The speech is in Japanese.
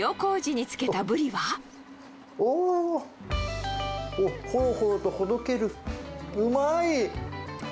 うわー、ほろほろとほどける、うまい！